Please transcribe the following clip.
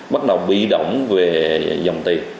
bắt đầu bị động về dòng tiền